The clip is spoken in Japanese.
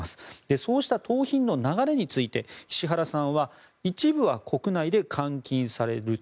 そうした盗品の流れについて石原さんは一部は国内で換金されると。